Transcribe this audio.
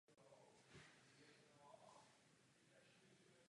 Díky své konstrukci byl balon stabilní i v silném větru.